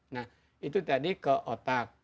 nah itu tadi ke otak